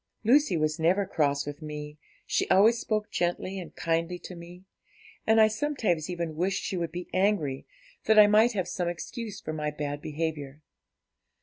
'Lucy was never cross with me, she always spoke gently and kindly to me; and I sometimes even wished she would be angry, that I might have some excuse for my bad behaviour.